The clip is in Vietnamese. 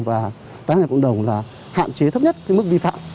và tái hành án của cộng đồng hạn chế thấp nhất mức vi phạm